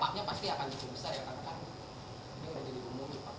dampaknya pasti akan cukup besar ya pak